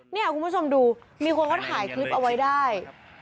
นี่คุณผู้ชมดูมีคนเขาถ่ายคลิปเอาไว้ได้